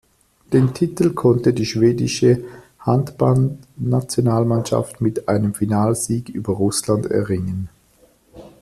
Den Titel konnte die Schwedische Handballnationalmannschaft mit einem Finalsieg über Russland erringen.